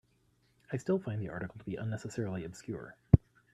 I still find the article to be unnecessarily obscure.